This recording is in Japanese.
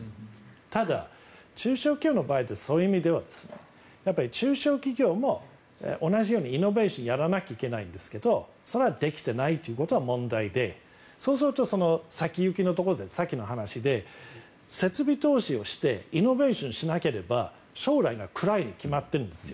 ただ、中小企業の場合はそういう意味では中手企業も同じようにイノベーションをやらなきゃいけないんですけどそれはできてないということが問題でそうすると先行きのところでさっきの話で設備投資をしてイノベーションしなければ将来が暗いに決まってるんですよ。